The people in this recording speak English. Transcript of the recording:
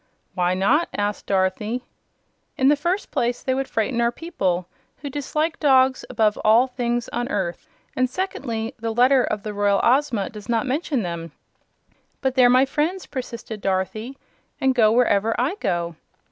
"Why not?" asked Dorothy. "In the first place they would frighten our people, who dislike dogs above all things on earth; and, secondly, the letter of the Royal Ozma does not mention them." "But they're my friends," persisted Dorothy, "and go wherever I go."